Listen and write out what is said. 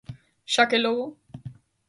Xa que logo.